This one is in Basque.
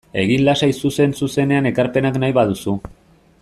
Egin lasai zuzen-zuzenean ekarpenak nahi baduzu.